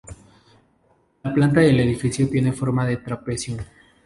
La planta del edificio tiene forma de trapecio.